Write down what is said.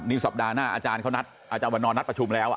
นี่สัปดาห์หน้าอาจารย์เขานัดอาจารย์วันนอนนัดประชุมแล้ว